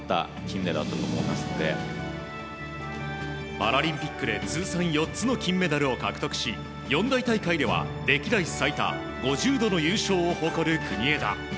パラリンピックで通算４つの金メダルを獲得し四大大会では歴代最多５０度の優勝を誇る国枝。